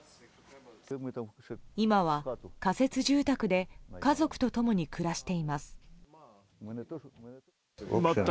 今は、仮設住宅で家族と共に暮らしています。